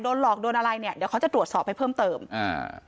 หลอกโดนอะไรเนี้ยเดี๋ยวเขาจะตรวจสอบให้เพิ่มเติมอ่า